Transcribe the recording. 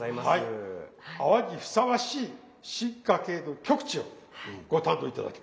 泡にふさわしい進化系の極致をご堪能頂きます。